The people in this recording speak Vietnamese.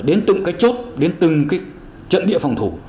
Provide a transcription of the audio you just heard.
đến từng cái chốt đến từng cái trận địa phòng thủ